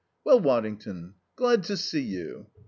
"Well, Waddington, glad to see you."